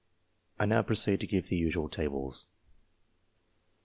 I now proceed to give the usual tables.